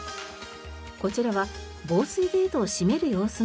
こちらは防水ゲートを閉める様子の映像。